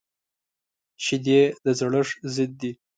شیدې د زړښت ضد دي